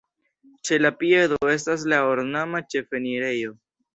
Ĉe la piedo estas la ornama ĉefenirejo.